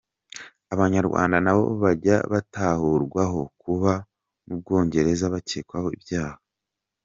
Abanyarwanda nabo bajya batahurwaho kuba mu Bwongereza bakekwaho ibyaha.